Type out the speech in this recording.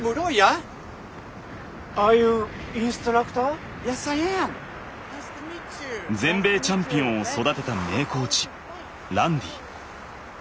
Ｙｅｓ，Ｉａｍ．全米チャンピオンを育てた名コーチランディ。